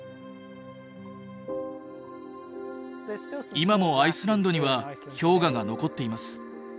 今もアイスランドには氷河が残っています。